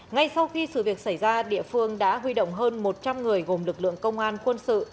ngay sau khi sự việc xảy ra địa phương đã huy động hơn một trăm linh người gồm lực lượng công an quân sự